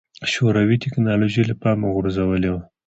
شوروي ټکنالوژي له پامه غورځولې وه.